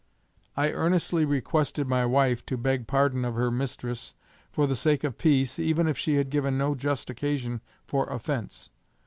I earnestly requested my wife to beg pardon of her mistress for the sake of peace even if she had given no just occasion for offence.